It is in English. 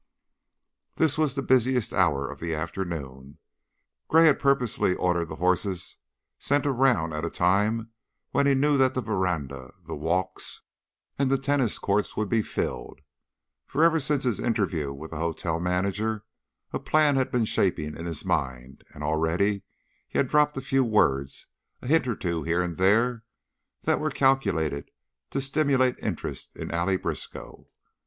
This was the busiest hour of the afternoon. Gray had purposely ordered the horses sent around at a time when he knew that the veranda, the walks, and the tennis courts would be filled, for ever since his interview with the hotel manager a plan had been shaping in his mind and already he had dropped a few words, a hint or two here and there, that were calculated to stimulate interest in Allie Briskow.